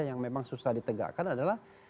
yang memang susah ditegakkan adalah